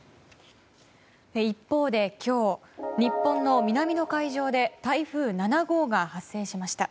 一方で今日日本の南の海上で台風７号が発生しました。